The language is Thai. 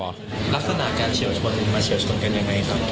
ลักษณะการเฉียวชนมาเฉียวชนกันยังไงครับ